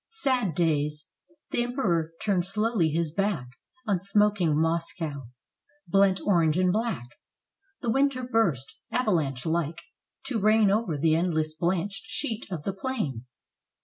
Sad days! the Emperor turned slowly his back On smoking Moscow, blent orange and black. The winter burst, avalanche like, to reign Over the endless blanched sheet of the plain.